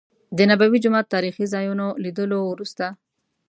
د نبوي جومات تاريخي ځا يونو لیدلو وروسته.